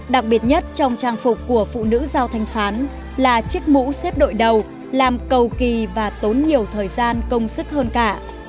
đặc biệt nhất trong trang phục của phụ nữ giao thanh phán là chiếc mũ xếp đội đầu làm cầu kỳ và tốn nhiều thời gian công sức hơn cả